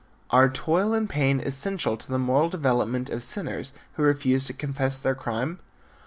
Are toil and pain essential to the moral development of sinners who refuse to confess their crime?